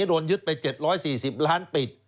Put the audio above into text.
โดนยึดไป๗๔๐ล้านปิด